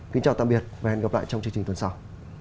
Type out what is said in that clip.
kính chào tạm biệt và hẹn gặp lại trong chương trình tuần sau